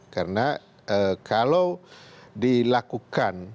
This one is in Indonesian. karena kalau dilakukan